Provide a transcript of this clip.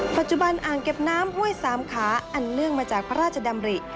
อ่างเก็บน้ำห้วยสามขาอันเนื่องมาจากพระราชดำริ